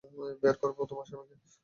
বের করবো তোমার স্বামীকে।